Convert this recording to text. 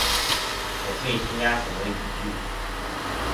我可以添加什么语句？